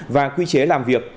và quy chế làm việc